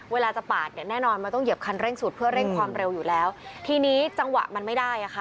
เวลาจะปาดเนี่ยแน่นอนมันต้องเหยียบคันเร่งสุดเพื่อเร่งความเร็วอยู่แล้วทีนี้จังหวะมันไม่ได้อ่ะค่ะ